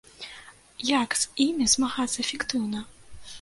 Як з імі змагацца эфектыўна?